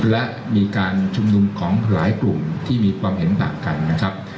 และมีการชุมนุมของหลายกลุ่มที่มีความเห็นต่างกันนะครับ